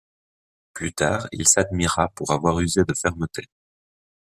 Plus tard, il s'admira pour avoir usé de fermeté.